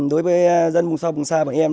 đối với dân vùng sâu vùng xa bọn em